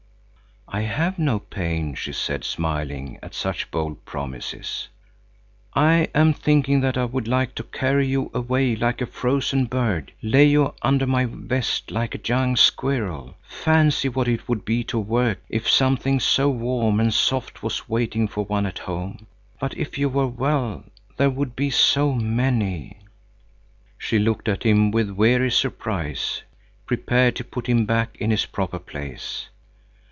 "I have no pain," she said, smiling at such bold promises. "I am thinking that I would like to carry you away like a frozen bird, lay you under my vest like a young squirrel. Fancy what it would be to work if something so warm and soft was waiting for one at home! But if you were well, there would be so many—" She looked at him with weary surprise, prepared to put him back in his proper place.